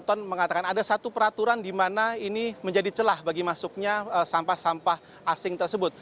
anton mengatakan ada satu peraturan di mana ini menjadi celah bagi masuknya sampah sampah asing tersebut